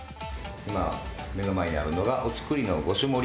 今目の前にあるのがお造りの５種盛り。